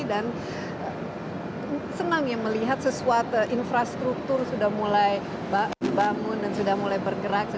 dan senang ya melihat sesuatu infrastruktur sudah mulai bangun dan sudah mulai bergerak